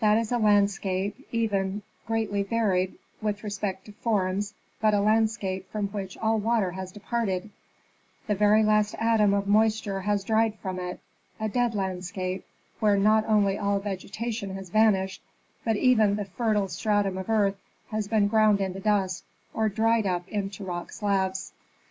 That is a landscape, even greatly varied with respect to forms, but a landscape from which all water has departed, the very last atom of moisture has dried from it; a dead landscape, where not only all vegetation has vanished, but even the fertile stratum of earth has been ground into dust or dried up into rock slabs.